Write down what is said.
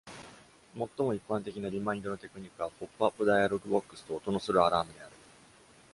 最も一般的なリマインドのテクニックはポップアップダイアログボックスと音のするアラームである。